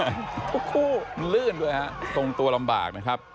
มันลื่นด้วยฮะตรงตัวลำบากนะครับ